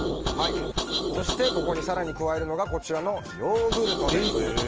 そして、ここに更に加えるのがこちらのヨーグルトです。